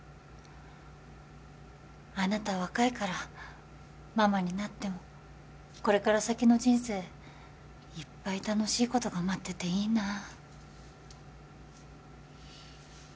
あなた若いからママになってもこれから先の人生いっぱい楽しいことが待ってていいなあ